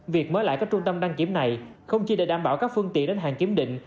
việc mới lại các trung tâm đăng kiểm này không chỉ để đảm bảo các phương tiện đến hàng kiểm định